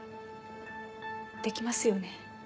できますよね？